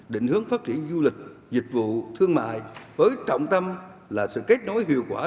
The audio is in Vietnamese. định hướng phát triển du lịch dịch vụ thương mại với trọng tâm là sự kết nối hiệu quả